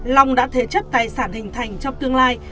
long đã thế chấp tài sản hình thành trong tương lai